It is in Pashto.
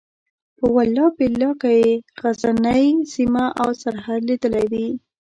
په والله بالله که یې غزنۍ سیمه او سرحد لیدلی وي.